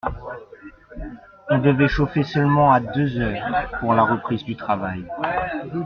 On devait chauffer seulement à deux heures, pour la reprise du travail.